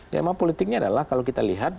tema politiknya adalah kalau kita lihat